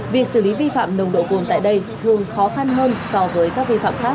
việc xử lý vi phạm nồng độ cồn tại đây thường khó khăn hơn so với các vi phạm khác